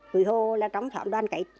tùy hồ là trống thảm đoàn cậy